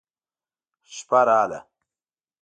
شپه راغله.